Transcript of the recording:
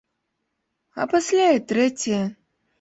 А пасля і трэцяе.